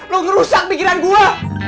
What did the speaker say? lo ngerusak pikiran gue